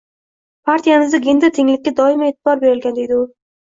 “Partiyamizda gender tenglikka doimo e’tibor berilgan”, — deydi u